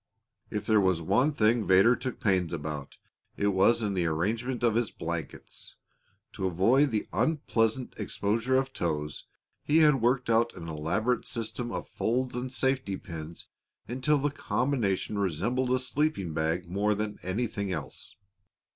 If there was one thing Vedder took pains about, it was in the arrangement of his blankets. To avoid the unpleasant exposure of toes he had worked out an elaborate system of folds and safety pins until the combination resembled a sleeping bag more than anything else.